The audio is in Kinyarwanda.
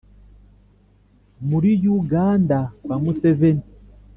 muri yuganda kwa museveni